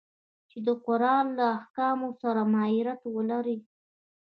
چي د قرآن له احکامو سره مغایرت ولري.